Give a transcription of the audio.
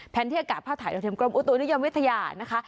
ที่อากาศภาพถ่ายโดยเทียมกรมอุตุนิยมวิทยานะคะ